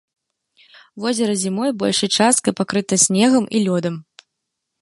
Возера зімой большай часткай пакрыта снегам і лёдам.